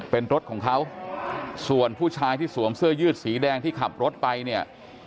เป็นรถของเขาส่วนผู้ชายที่สวมเสื้อยืดสีแดงที่ขับรถไปเนี่ย